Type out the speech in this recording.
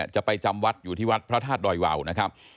จะไปจำวัดอยู่ที่วัดพระธาตุดอยวาวนะครับ